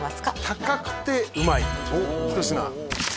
高くてうまい一品